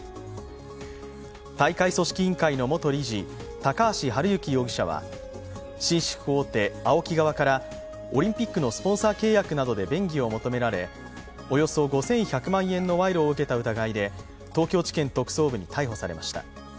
大会組織委員会の元理事、高橋治之容疑者は紳士服大手・ＡＯＫＩ側からオリンピックのスポンサー契約などで便宜を求められおよそ５１００万円の賄賂を受けた疑いで東京地検特捜部に逮捕されました。